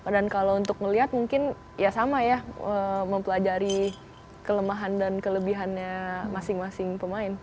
dan kalau untuk ngelihat mungkin ya sama ya mempelajari kelemahan dan kelebihannya masing masing pemain